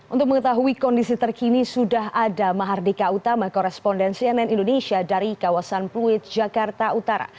untuk mengetahui kondisi terkini sudah ada mahardika utama koresponden cnn indonesia dari kawasan pluit jakarta utara